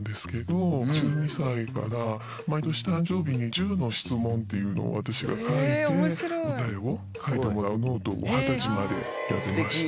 「１０の質問」っていうのを私が書いて答えを書いてもらうノートを二十歳までやってました。